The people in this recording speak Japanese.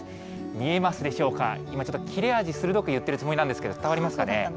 見えますでしょうか、今、ちょっと切れ味鋭く言ってるつもりなんですけど、伝わりますかね。